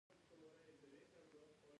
لمسی له پاکو جامو سره فخر کوي.